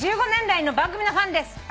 １５年来の番組のファンです」